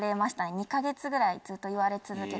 ２か月ぐらいずっと言われ続けて。